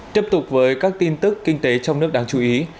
tiếp tục với các tin tức kinh tế trong nước đáng chú ý